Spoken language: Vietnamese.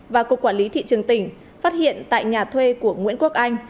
và cục quản lý thị trường tỉnh phát hiện tại nhà thuê của nguyễn quốc anh